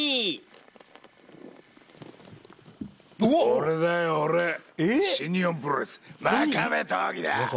俺だよ俺新日本プロレス真壁刀義だ。